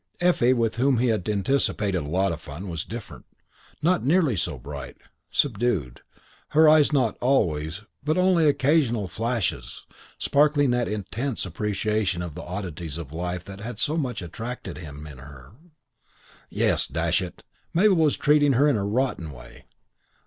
Effie, with whom he had anticipated a lot of fun, was different: not nearly so bright; subdued; her eyes, not always, but only by occasional flashes, sparkling that intense appreciation of the oddities of life that had so much attracted him in her. Yes, dash it, Mabel was treating her in a rotten way.